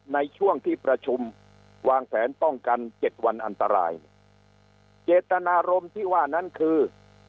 ในช่วงที่ประชุมวางแผนป้องกันเจ็ดวันอันตรายเจตนารมณ์ที่ว่านั้นคือ